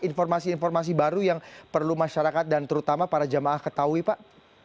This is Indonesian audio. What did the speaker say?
informasi informasi baru yang perlu masyarakat dan terutama para jamaah ketahui pak